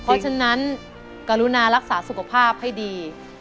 เพราะฉะนั้นกรุณารักษาสุขภาพให้ดี